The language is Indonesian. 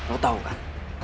lo tau kan